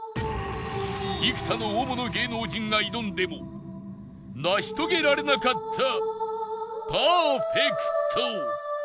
幾多の大物芸能人が挑んでも成し遂げられなかったパーフェクト